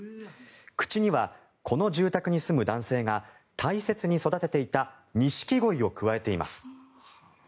口にはこの住宅に住む男性が大切に育てていたニシキゴイをくわえています。